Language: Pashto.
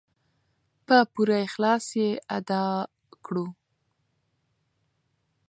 په پوره اخلاص یې ادا کړو.